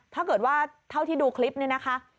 ถ้าเกิดว่าเท่าที่ดูคลิปนี้นะคะ